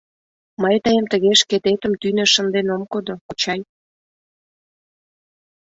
— Мый тыйым тыге шкететым тӱнӧ шынден ом кодо, кочай!